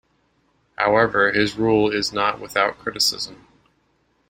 However, his rule is not without criticism.